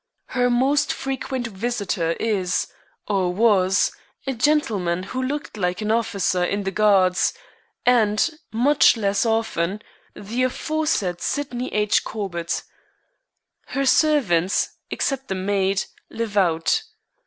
Her most frequent visitor is, or was, a gentleman who looked like an officer in the Guards, and, much less often, the aforesaid Sydney H. Corbett. Her servants, except the maid, live out.